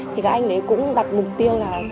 thì các anh ấy cũng đặt mục tiêu là